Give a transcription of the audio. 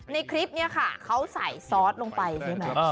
ในคลิปนี้ค่ะเขาใส่ซอสลงไปใช่ไหม